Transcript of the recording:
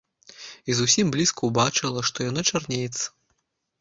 І зусім блізка ўбачыла, што яно чарнеецца.